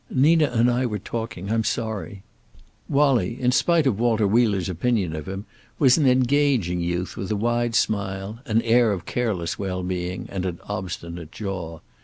"Nina and I were talking. I'm sorry." Wallie, in spite of Walter Wheeler's opinion of him, was an engaging youth with a wide smile, an air of careless well being, and an obstinate jaw.